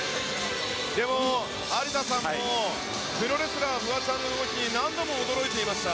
でも、有田さんもプロレスラー、フワちゃんの動きに何度も驚いていました。